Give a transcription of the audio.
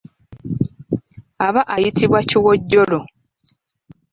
Aba ayitibwa kiwojjolo.